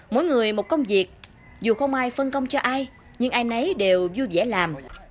mỗi người một công việc dù không ai phân công cho ai nhưng ai nấy đều vui vẻ làm